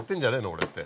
俺って。